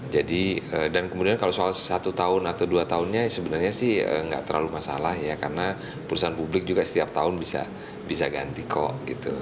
jadi dan kemudian kalau soal satu tahun atau dua tahunnya sebenarnya sih nggak terlalu masalah ya karena perusahaan publik juga setiap tahun bisa ganti kok gitu